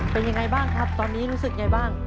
เป็นยังไงบ้างครับตอนนี้รู้สึกยังไงบ้าง